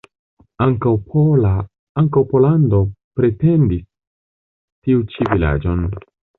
Ankaŭ Pollando pretendis tiu ĉi vilaĝon.